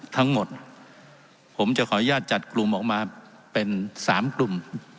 ทั้งหมดผมจะขออนุญาตจัดกลุ่มออกมาเป็น๓กลุ่ม